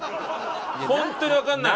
ホントにわかんない。